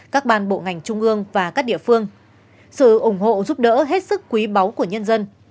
các ban bộ ngành trung ương và các địa phương sự ủng hộ giúp đỡ hết sức quý báu của nhân dân